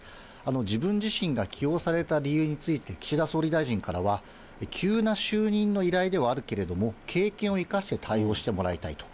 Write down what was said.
自分自身が起用された理由について、岸田総理大臣からは、急な就任の依頼ではあるけれども、経験を生かして対応してもらいたいと。